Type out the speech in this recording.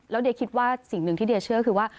แล้วเดียคิดว่าสิ่งหนึ่งที่เดียเชื่อคือว่า